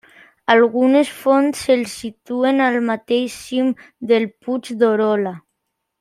Algunes fonts el situen al mateix cim del puig d'Olorda.